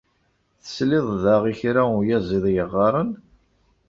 Tesliḍ daɣ i kra uyaziḍ yeɣɣaren?